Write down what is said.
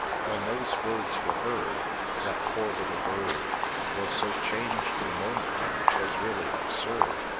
— When those words were heard, That poor little bird Was so changed in a moment, 'twas really absurd.